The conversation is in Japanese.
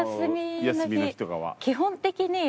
基本的に。